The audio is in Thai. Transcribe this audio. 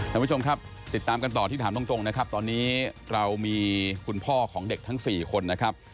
ท่านผู้ชมครับติดตามกันต่อที่ถามตรงนะครับตอนนี้เรามีคุณพ่อของเด็กทั้ง๔คนนะครับ